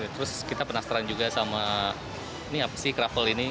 terus kita penasaran juga sama ini apa sih kroffel ini